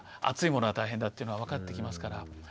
熱いものは大変だっていうのが分かってきますから。